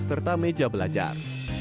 serta meja belajar